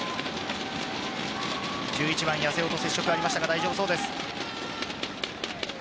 １１番・八瀬尾と接触がありましたが、大丈夫そうです。